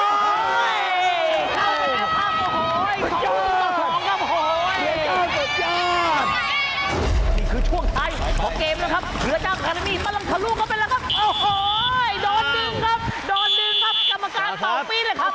โอ้โหโดนดึงครับโดนดึงครับกรรมการเป่าปีนเลยครับ